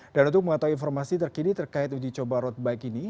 dan untuk mengatau informasi terkini terkait uji coba road bike ini